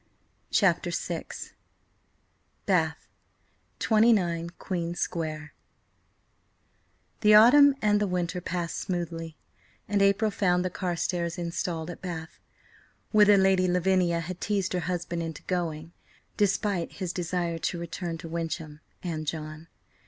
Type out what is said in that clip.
CHAPTER VI BATH: 29 QUEEN SQUARE THE autumn and the winter passed smoothly, and April found the Carstares installed at Bath, whither Lady Lavinia had teased her husband into going, despite his desire to return to Wyncham and John.